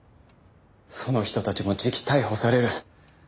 その人たちもじき逮捕される。